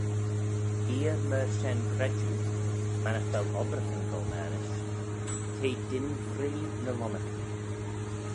Eer myr shen credjue, mannagh vel obbraghyn goll marish, te dyn vree ny-lomarcan.